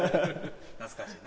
懐かしいな。